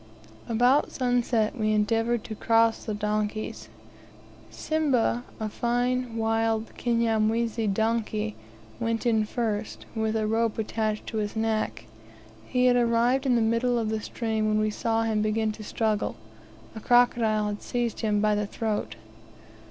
# Necklaces. About sunset we endeavoured to cross the donkeys. "Simba," a fine wild Kinyamwezi donkey, went in first, with a rope attached to his neck. He had arrived at the middle of the stream when we saw him begin to struggle a crocodile had seized him by the throat.